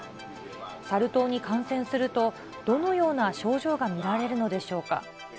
サル痘に感染すると、どのような症状が見られるのでしょうか。